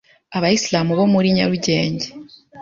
Abayislam bo muri Nyarugenge